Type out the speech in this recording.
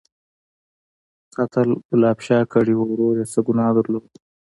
_قتل ګلاب شاه کړی و، ورور يې څه ګناه درلوده؟